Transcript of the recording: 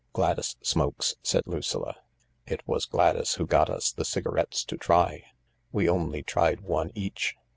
" Gladys smokes," said Lucilla. " It was Gladys who got us the cigarettes to try ; we only tried one each.